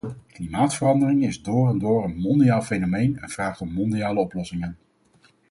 Klimaatverandering is door en door een mondiaal fenomeen en vraagt om mondiale oplossingen.